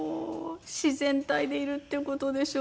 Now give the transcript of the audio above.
自然体でいるっていう事でしょうか？